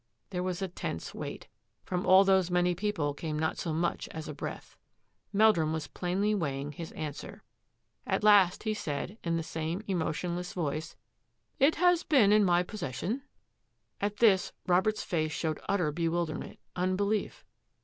There Was a tense wait. From all those many people came not so much as a breath. Meldrum was plainly weighing his answer. At last he said, in the same emotionless voice, " It has been in my possession." At this Robert's face showed utter bewilderment, unbelief.